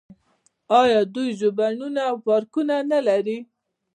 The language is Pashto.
آیا دوی ژوبڼونه او پارکونه نلري؟